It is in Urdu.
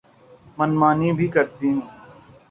من مانی بھی کرتی ہوں۔